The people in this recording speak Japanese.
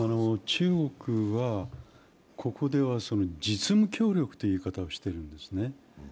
中国は、ここでは実務協力という言い方をしてるんですね。